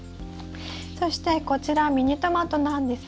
そしてこちらミニトマトなんですが。